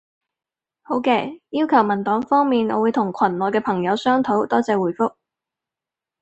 好嘅，要求文檔方面，我會同群內嘅朋友商討。多謝回覆